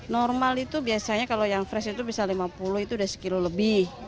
normal itu biasanya kalau yang fresh itu bisa rp lima puluh itu sudah satu kilo lebih